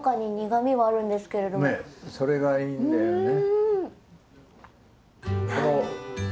ねっそれがいいんだよね。